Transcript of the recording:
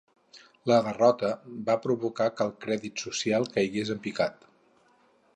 La derrota va provocar que el Crèdit Social caigués en picat.